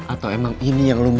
atau emang ini yang lu mau